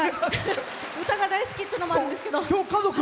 歌が大好きっていうのもあるんですけど。